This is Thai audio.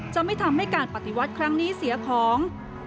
จะไม่ทำให้การปฏิวัติครั้งนี้เสียของ